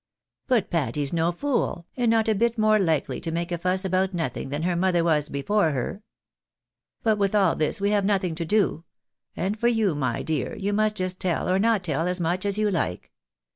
But Patty's no fool, and not a bit more likely to make a fuss about nothing than her mother was before CONJUGAL COMMUMlJNU» UiN MOKAJ. MATTERS. 217 her. But with all this we have nothing to do ; and for you, my dear, you may just tell or not tell, as much as you like.